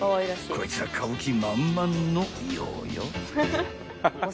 ［こいつは買う気満々のようよ］